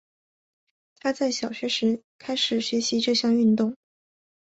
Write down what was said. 她在小学时开始学习这项运动。